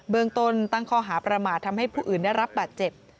เมืองต้นตั้งข้อหาประมาททำให้ผู้อื่นได้รับบาดเจ็บ